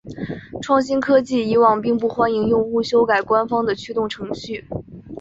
创新科技以往并不欢迎用户修改官方的驱动程序。